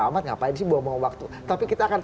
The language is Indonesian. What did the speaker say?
amat ngapain sih buang buang waktu tapi kita akan